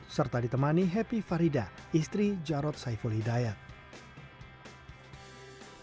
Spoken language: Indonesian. serta ditemani happy farida istri jarod saiful hidayat